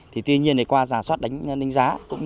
thì tuy nhiên qua giả soát đánh giá cũng như kiểm tra của ngành